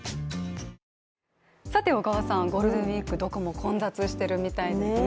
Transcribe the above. さて、小川さん、ゴールデンウイークどこも混雑しているみたいですね。